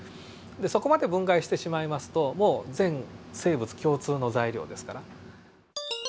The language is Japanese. でそこまで分解してしまいますともう全生物共通の材料ですから。